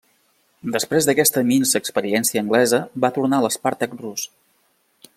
Després d'aquesta minsa experiència anglesa va tornar a l'Spartak rus.